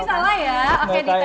ini salah ya oke di tes ya